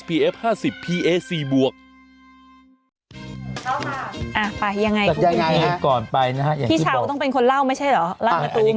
เข้ามาอ่ะไปยังไงครับพี่เช้าต้องเป็นคนเล่าไม่ใช่เหรอเล่ามาตูมัน